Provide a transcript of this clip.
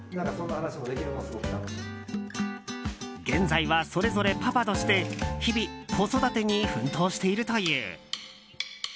現在はそれぞれパパとして日々子育てに奮闘しているという。